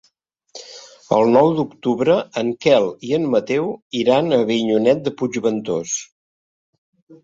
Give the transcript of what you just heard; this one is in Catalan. El nou d'octubre en Quel i en Mateu iran a Avinyonet de Puigventós.